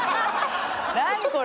何これ！